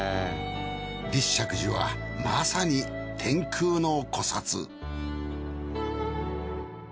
立石寺はまさに天空の古刹。